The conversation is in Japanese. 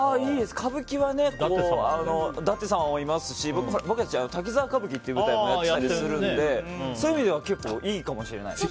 歌舞伎は舘様もいますし僕たちは滝沢歌舞伎っていう舞台もやってたりするのでそういう意味ではいいかもしれないです。